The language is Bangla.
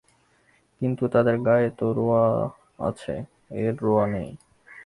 কিন্তু তাদের গায়ে তো রোঁয়া আছে–এর রোঁয়া নাই।